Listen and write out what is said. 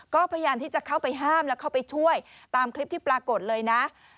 ก็พยายามที่จะเข้าไปห้ามแล้วเข้าไปช่วยตามคลิปที่ปรากฏเลยนะ